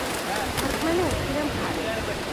თითო სარკმელი ოთხივე მხარეს.